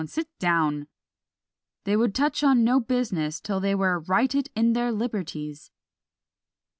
sit down!" They would touch on no business till they were "righted in their liberties!"